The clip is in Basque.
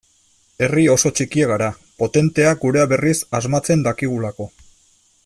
Herri oso txikia gara, potentea gurea berriz asmatzen dakigulako.